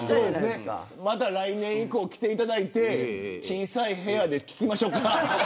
また来年以降、来ていただいて小さい部屋で聞きましょか。